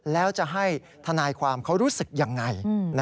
แล้วจะให้ทนายความเขารู้สึกยังไง